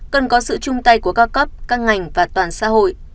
cần có sự chung tay của các cấp các ngành và toàn xã hội